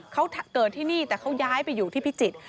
เขาเกิดที่นี่แต่เขาย้ายไปอยู่ที่พิจิตร